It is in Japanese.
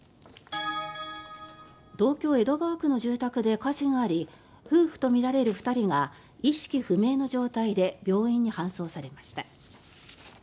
東京・江戸川区の住宅で火事があり夫婦とみられる２人が意識不明の状態で病院に搬送されました。